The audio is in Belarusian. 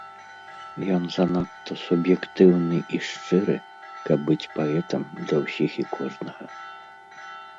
Ён занадта суб'ектыўны і шчыры, каб быць паэтам для ўсіх і кожнага.